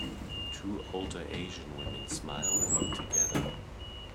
Two older Asian women smile and eat together.